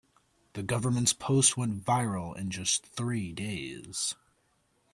The government's post went viral in just three days.